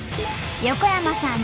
横山さん